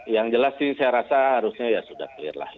yang jelas sih saya rasa harusnya ya sudah clear lah